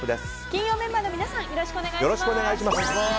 金曜メンバーの皆さんよろしくお願いします。